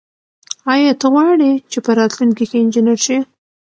آیا ته غواړې چې په راتلونکي کې انجنیر شې؟